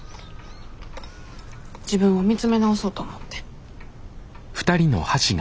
自分を見つめ直そうと思って。